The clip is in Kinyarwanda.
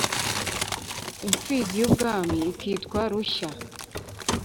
imfizi y'ubwami ikitwa rushya